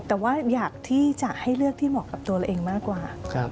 แต่ว่าอยากที่จะให้เลือกที่เหมาะกับตัวเราเองมากกว่า